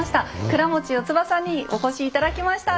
倉持よつばさんにお越し頂きました。